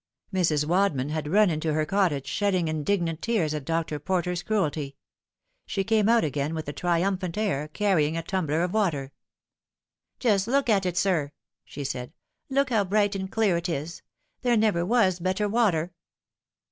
Mrs. Wadman had run into her cottage, shedding indignant tears at Dr. Porter's cruelty. She came out again with a triumphant air, carrying a tumbler of water. " Just look at it, sir," she said ;" look how bright and clear it is. There never was better water."